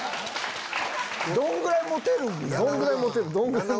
どんぐらい持てるんやろうな？